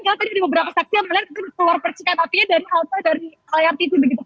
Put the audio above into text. kalau tadi beberapa saksi yang melihat itu keluar percikan apinya dari layar tv begitu pak